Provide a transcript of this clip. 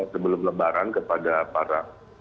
sebelum lebaran kepada para